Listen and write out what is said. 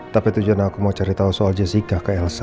tapi tujuan aku mau cari tahu soal jessica ke elsa